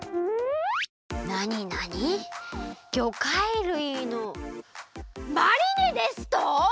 なになにぎょかいるいのマリネですと！？